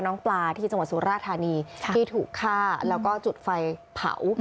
น้องปลาที่จังหวัดสุราธานีที่ถูกฆ่าแล้วก็จุดไฟเผา